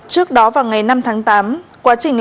trước đó vào ngày năm tháng tám